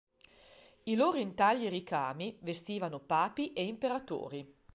I loro intagli e ricami, vestivano papi e imperatori.